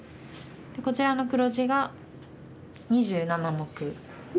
こちらの黒地が２７目。